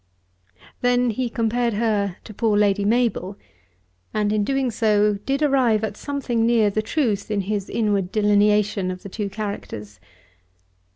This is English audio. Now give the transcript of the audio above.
Then he compared her to poor Lady Mabel, and in doing so did arrive at something near the truth in his inward delineation of the two characters.